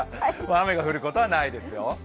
雨が降ることはないですよ。